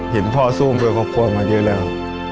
เห็นพ่อสู้ด้วยครอบครัวมาเยอะแล้ว